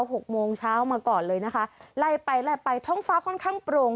หกโมงเช้ามาก่อนเลยนะคะไล่ไปไล่ไปท้องฟ้าค่อนข้างโปร่ง